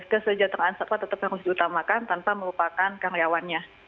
kesejahteraan satwa tetap harus diutamakan tanpa melupakan karyawannya